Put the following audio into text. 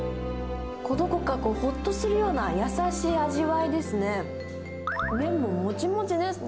どこかほっとするような優しい味わいですね。